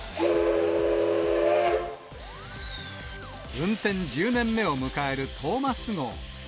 運転１０年目を迎えるトーマス号。